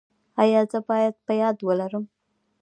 ایا زه باید په یاد ولرم؟